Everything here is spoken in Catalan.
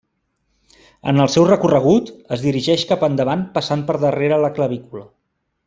En el seu recorregut, es dirigeix cap endavant passant per darrere la clavícula.